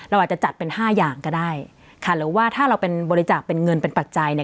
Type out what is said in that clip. เราอาจจะจัดเป็นห้าอย่างก็ได้ค่ะหรือว่าถ้าเราเป็นบริจาคเป็นเงินเป็นปัจจัยเนี่ย